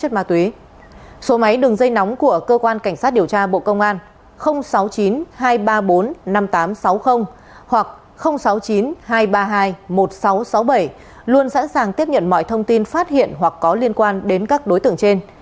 công an sáu mươi chín hai trăm ba mươi bốn năm nghìn tám trăm sáu mươi hoặc sáu mươi chín hai trăm ba mươi hai một nghìn sáu trăm sáu mươi bảy luôn sẵn sàng tiếp nhận mọi thông tin phát hiện hoặc có liên quan đến các đối tượng trên